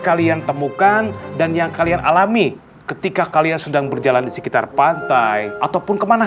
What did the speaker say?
kalian temukan dan yang kalian alami ketika kalian sedang berjalan di sekitar pantai ataupun kemana